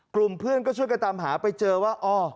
กลุ่มเพื่อนก็ช่วยกันตามหาไปเจอว่าอ๋อ